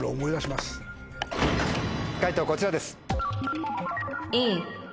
解答こちらです。